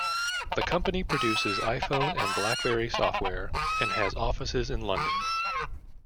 The company produces iPhone and BlackBerry software, and has offices in London.